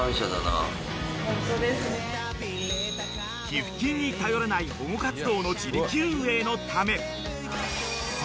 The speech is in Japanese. ［寄付金に頼らない保護活動の自力運営のため］